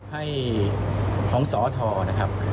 ให้ของสอทนะครับ